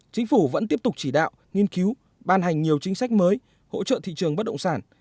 chính phủ vẫn tiếp tục chỉ đạo nghiên cứu ban hành nhiều chính sách mới hỗ trợ thị trường bất động sản